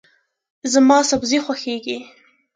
زما سبزي خوښیږي.